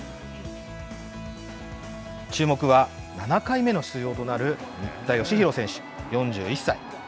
注目は、７回目の出場となる新田佳浩選手４１歳。